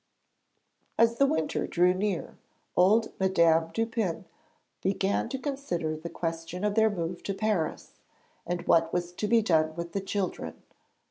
As the winter drew near, old Madame Dupin began to consider the question of their move to Paris, and what was to be done with the children.